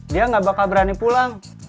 dia gak bakal berani pulang